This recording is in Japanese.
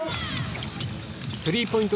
スリーポイント